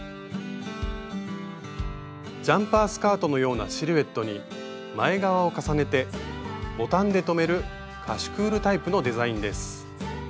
ジャンパースカートのようなシルエットに前側を重ねてボタンで留めるカシュクールタイプのデザインです。